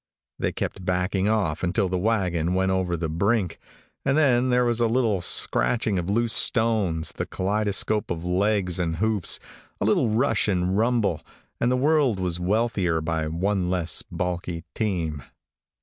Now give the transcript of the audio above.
They kept backing off until the wagon went over the brink, and then there was a little scratching of loose stones, the kaleidoscope of legs and hoofs, a little rush and rumble, and the world was wealthier by one less balky team.